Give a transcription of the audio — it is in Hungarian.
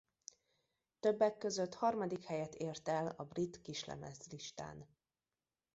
Többek között harmadik helyet ért el a brit kislemezlistán.